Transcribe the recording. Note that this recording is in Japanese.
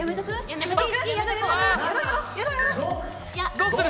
どうする？